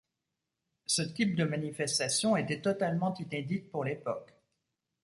Ce type de manifestation était totalement inédite pour l'époque.